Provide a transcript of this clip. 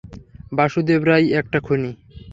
বাসুদেব রাই একটা খুনি।